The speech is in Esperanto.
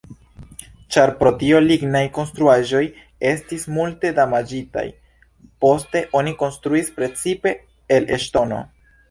Ĉar pro tio lignaj konstruaĵoj estis multe damaĝitaj, poste oni konstruis precipe el ŝtono.